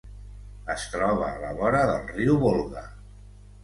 Es troba a la vora del riu Volga.